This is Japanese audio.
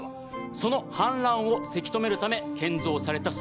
その氾濫をせき止めるため建造された水門